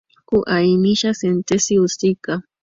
Kuainisha sentensi husika.